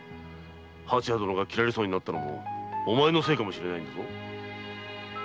蜂屋殿が斬られそうになったのもお前のせいかもしれないんだぞ。